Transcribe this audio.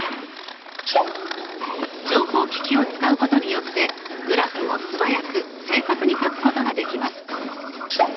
情報機器を使うことによってグラフを素早く正確にかくことができます。